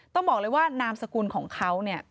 ต้องบอกเลยว่านามสกุลของเขาเนี่ย